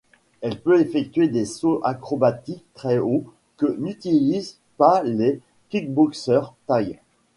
Elle peut effectuer des sauts acrobatiques très hauts que n'utilisent pas les kickboxers thai.